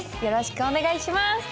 よろしくお願いします！